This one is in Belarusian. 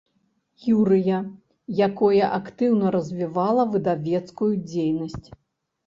Юрыя, якое актыўна развівала выдавецкую дзейнасць.